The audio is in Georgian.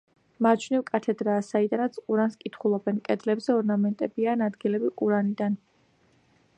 მარჯვნივ კათედრაა, საიდანაც ყურანს კითხულობენ, კედლებზე ორნამენტებია ან ადგილები ყურანიდან.